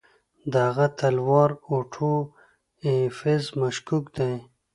د هغه تلوار اوټو ایفز مشکوک کړ.